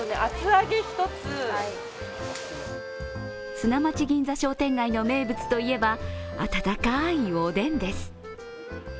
砂町銀座商店街の名物といえば温かいおでんです。